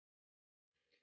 mas aku mau ke kamar